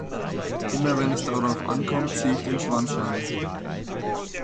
Immer wenn es darauf ankommt, ziehe ich den Schwanz ein.